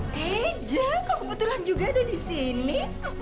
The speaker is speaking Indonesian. heja kok kebetulan juga ada disini